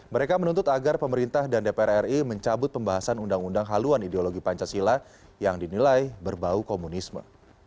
mereka menuntut agar pemerintah dan dpr ri mencabut pembahasan undang undang haluan ideologi pancasila yang dinilai berbau komunisme